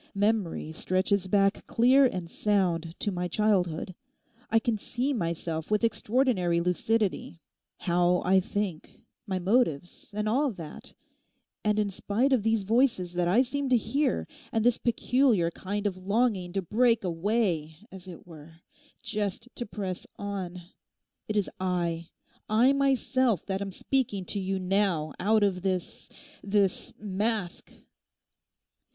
Memory stretches back clear and sound to my childhood. I can see myself with extraordinary lucidity, how I think, my motives and all that; and in spite of these voices that I seem to hear, and this peculiar kind of longing to break away, as it were, just to press on—it is I,—I myself, that am speaking to you now out of this—this mask.